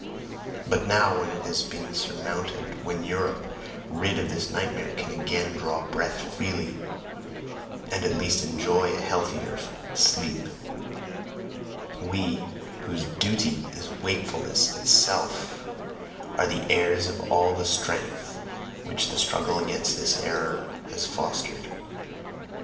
But now when it has been surmounted, when Europe, rid of this nightmare, can again draw breath freely and at least enjoy a healthier sleep, we, WHOSE DUTY IS WAKEFULNESS ITSELF, are the heirs of all the strength which the struggle against this error has fostered.